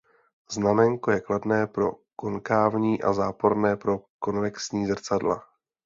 Znaménko je kladné pro konkávní a záporné pro konvexní zrcadla.